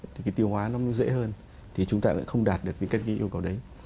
thì cái tiêu hóa nó mới dễ hơn thì chúng ta lại không đạt được những cách như yêu cầu đấy